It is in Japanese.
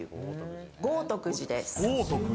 豪徳寺です。